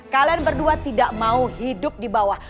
kalian berdua tidak mau hidup di bawah